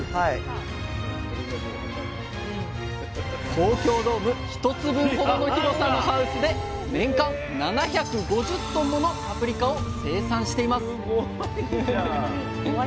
東京ドーム１つ分ほどの広さのハウスで年間７５０ｔものパプリカを生産しています